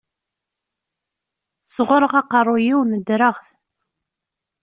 Sɣureɣ aqerru-iw nedreɣ-t.